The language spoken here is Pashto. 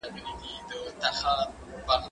هغه څوک چي کښېناستل کوي پوهه زياتوي؟!